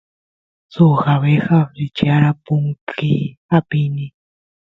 suk abeja flechyara punkiy apini